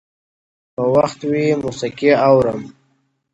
که وخت وي، موسيقي اورم!.